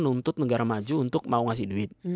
nuntut negara maju untuk mau ngasih duit